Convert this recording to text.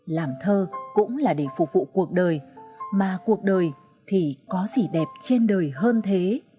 làm thơ cũng là để phục vụ cuộc đời mà cuộc đời thì có gì đẹp trên đời hơn thế